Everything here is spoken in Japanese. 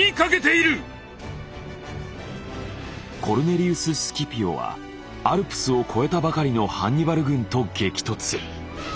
コルネリウス・スキピオはアルプスを越えたばかりのハンニバル軍と激突。